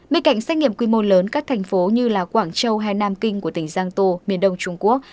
bên cạnh xét nghiệm quy mô lớn các thành phố như quảng châu hay nam kinh của tỉnh giang tô miền đông trung quốc